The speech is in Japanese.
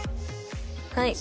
はい。